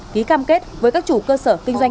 ký cam kết với các chủ cơ sở kinh doanh